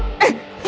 itu masuk ke mulut